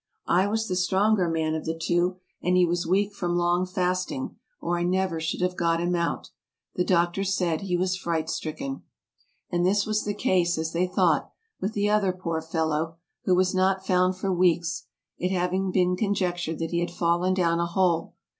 I was the stronger man of the two, and he was weak from long fasting, or I never should have got him out. The doctor said he was fright stricken." And this was the case, as they thought, with the other poor fellow, who was not found for weeks, it having been conjectured that he had fallen down a hole.